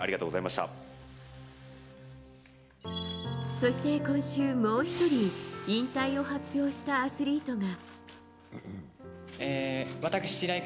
そして今週、もう１人引退を発表したアスリートが。